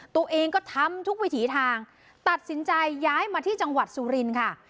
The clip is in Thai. ตัวเองก็ทำทุกวิถีทางตัดสินใจย้ายมาที่จังหวัดสุรินค่ะ